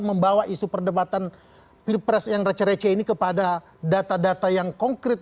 membawa isu perdebatan pilpres yang receh receh ini kepada data data yang konkret